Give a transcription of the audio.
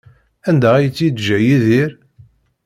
Anda ay tt-yeǧǧa Yidir?